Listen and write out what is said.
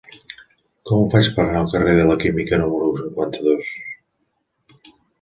Com ho faig per anar al carrer de la Química número cinquanta-dos?